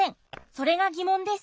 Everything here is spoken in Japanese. それが疑問です。